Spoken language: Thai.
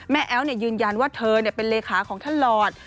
แอ๊วยืนยันว่าเธอเป็นเลขาของท่านหลอด